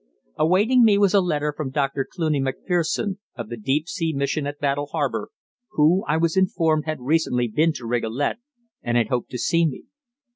Awaiting me was a letter from Dr. Cluny Macpherson, of the Deep Sea Mission at Battle Harbour, who, I was informed, had recently been to Rigolet and had hoped to see me.